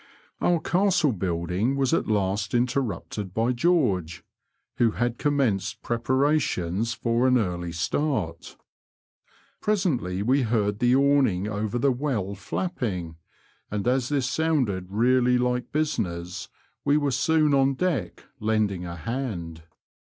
Our castle building was at last interrupted by George, who had commenced preparations for an early start. Presently we heard the awning over the well flapping, and as this sounded really like business, we were soon on deck lending a hand.